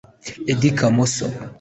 Eddy Kamoso